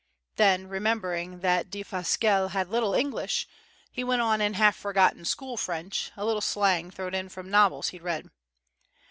Then, remembering that Defasquelle had little English, he went on in half forgotten school French, a little slang thrown in from novels he'd read.